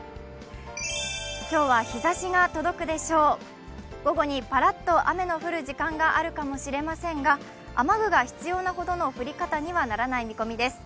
今日は日ざしが届くでしょう、午後にぱらっと雨が降る時間があるかもしれませんが雨具が必要なほどの降り方にはならない見込みです。